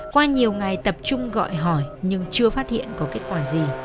qua nhiều ngày tập trung gọi hỏi nhưng chưa phát hiện có kết quả gì